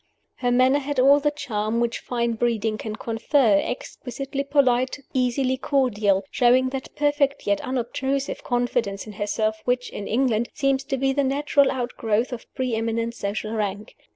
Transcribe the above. Her manner had all the charm which fine breeding can confer exquisitely polite, easily cordial; showing that perfect yet unobtrusive confidence in herself which (in England) seems to be the natural outgrowth of pre eminent social rank.